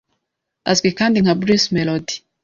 Azwi kandi nka Bruce Melodie,